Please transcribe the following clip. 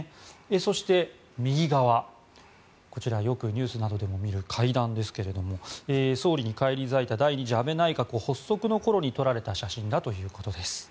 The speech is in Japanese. そして、右側はよくニュースなどでも見る階段ですけども総理に返り咲いた第２次安倍内閣発足時に撮られた写真だということです。